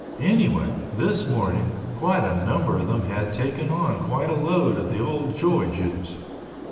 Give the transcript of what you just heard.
Anyway, this morning quite a number of them had taken on quite a load of the old joy juice.